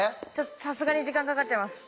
さすがに時間かかっちゃいます。